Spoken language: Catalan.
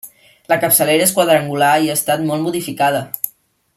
La capçalera és quadrangular i ha estat molt modificada.